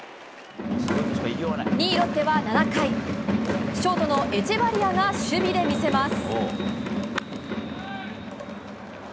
２位、ロッテは７回ショートのエチェバリアが守備で見せます。